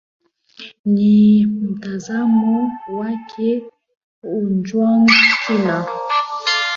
ni mtazamo wake ojwang kina